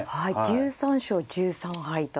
１３勝１３敗と。